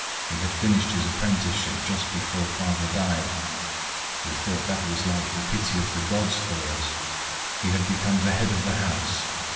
He had finished his apprenticeship just before father died: we thought that was like the pity of the gods for us. He had become the head of the house.